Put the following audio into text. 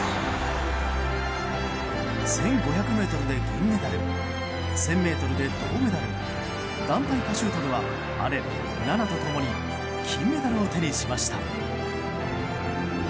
１５００ｍで銀メダル１０００ｍで銅メダル団体パシュートでは姉・菜那と共に金メダルを手にしました。